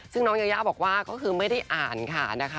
ซึ่งน้องยายาบอกว่าก็คือไม่ได้อ่านค่ะนะคะ